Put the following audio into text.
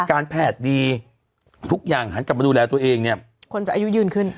การแพทย์ดีทุกอย่างหันกลับมาดูแลตัวเองเนี่ยคนจะอายุยืนขึ้น